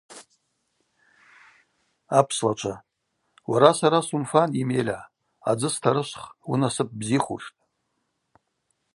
Апслачва: Уара сара суымфан, Емеля, адзы старышвх, уынасып бзихуштӏ.